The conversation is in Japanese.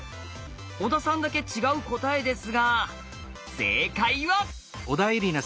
小田さんだけ違う答えですが正解は？